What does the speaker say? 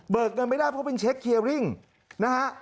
เงินไม่ได้เพราะเป็นเช็คเคียริ่งนะฮะ